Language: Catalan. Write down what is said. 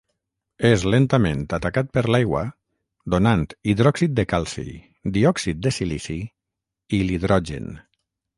És lentament atacat per l'aigua donant hidròxid de calci, diòxid de silici i l'hidrogen.